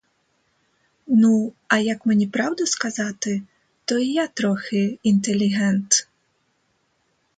Ну, а як мені правду сказати, то і я трохи інтелігент.